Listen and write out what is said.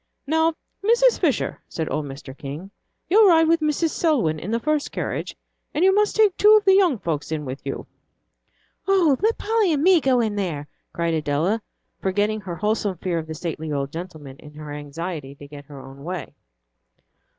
"Now, Mrs. Fisher," said old Mr. King, "you'll ride with Mrs. Selwyn in the first carriage, and you must take two of the young folks in with you." "Oh, let Polly and me go in there!" cried Adela, forgetting her wholesome fear of the stately old gentleman in her anxiety to get her own way.